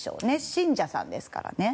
信者さんですからね。